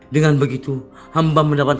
dengan begitu hamba mendapat